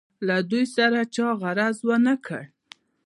له دوی سره چا غرض ونه کړ.